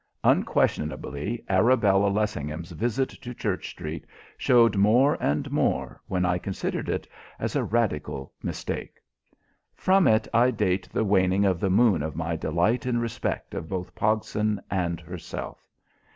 Unquestionably Arabella Lessingham's visit to Church Street showed more and more, when I considered it, as a radical mistake! From it I date the waning of the moon of my delight in respect of both Pogson and herself.